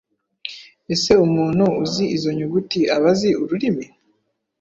Ese umuntu uzi izo nyuguti aba azi ururimi